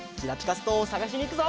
ストーンをさがしにいくぞ！